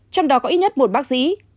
trong đó có ít nhất một bác sĩ